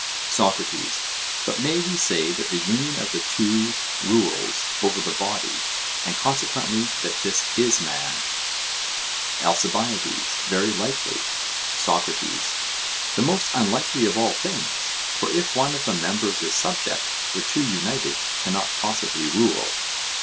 SOCRATES: But may we say that the union of the two rules over the body, and consequently that this is man? ALCIBIADES: Very likely. SOCRATES: The most unlikely of all things; for if one of the members is subject, the two united cannot possibly rule.